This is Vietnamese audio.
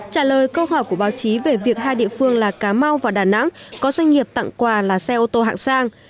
trả lời câu hỏi của báo chí về việc hai địa phương là cà mau và đà nẵng có doanh nghiệp tặng quà là xe ô tô hạng sang